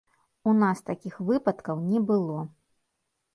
У нас такіх выпадкаў не было!